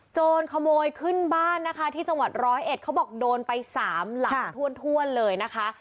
โจรขโมยขึ้นบ้านนะคะที่จังหวัดร้อยเอ็ดเขาบอกโดนไปสามหลังถ้วนเลยนะคะ